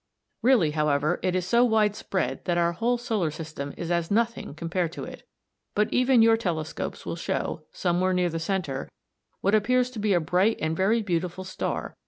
Really, however, it is so widespread that our whole solar system is as nothing compared to it. But even your telescopes will show, somewhere near the centre, what appears to be a bright and very beautiful star (see Fig.